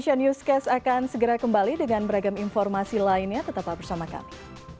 cnn newscast akan segera kembali dengan beragam informasi lainnya tetaplah bersama kami